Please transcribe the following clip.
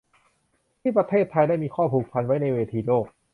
ที่ประเทศไทยได้มีข้อผูกพันไว้ในเวทีโลก